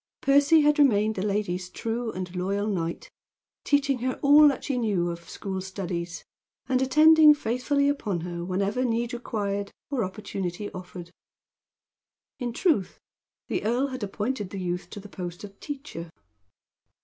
Percy had remained the lady's true and loyal knight, teaching her all that she knew of school studies, and attending faithfully upon her whenever need required, or opportunity offered. In truth, the earl had appointed the youth to the post of teacher.